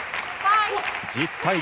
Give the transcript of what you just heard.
１０対５。